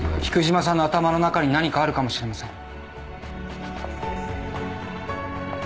菊島さんの頭の中に何かあるかもしれません。